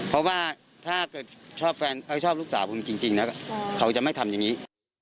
เพราะว่าถ้าเกิดชอบลูกสาวคุณจริงแล้วก็เขาจะไม่ทำอย่างนี้